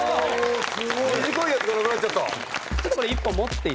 短いやつがなくなっちゃった。